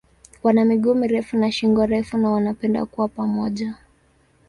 Wana miguu mirefu na shingo refu na wanapenda kuwa pamoja.